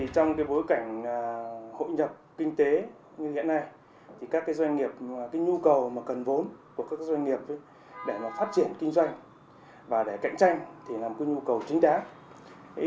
trong bối cảnh hội nhập kinh tế như hiện nay các doanh nghiệp nhu cầu cần vốn của các doanh nghiệp để phát triển kinh doanh và để cạnh tranh là một nhu cầu chính đáng